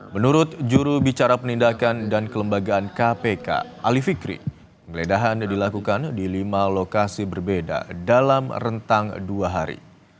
menurut juru bicara penindakan dan kelembagaan kpk ali fikri penggeledahan dilakukan di lima lokasi berbeda dalam rentang dua hari